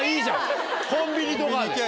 コンビニとかで。